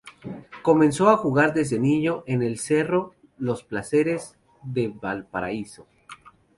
Comenzó a jugar desde niño en el Cerro Los Placeres de Valparaíso.